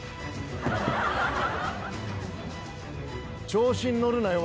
調子に乗るなよ